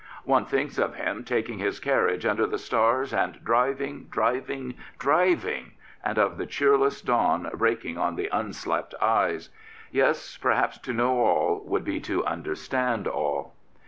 One thinks of him taking his carriage under the stars and driving, driving, driving, and of the cheerless dawn breaking on the unslept eyes. Yes, perhaps, to know all would be to understand all.